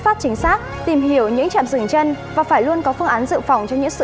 phát chính xác tìm hiểu những trạm dừng chân và phải luôn có phương án dự phòng cho những sự